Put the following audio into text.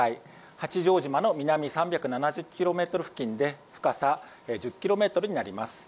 八丈島の南３７０ｋｍ付近で深さ１０ｋｍになります。